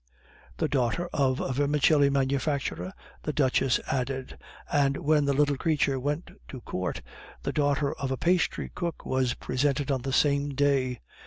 "The daughter of a vermicelli manufacturer," the Duchess added; "and when the little creature went to Court, the daughter of a pastry cook was presented on the same day.